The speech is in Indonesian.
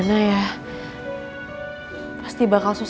ngeliat gue di rumah sakit